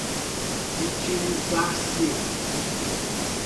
utilizar-se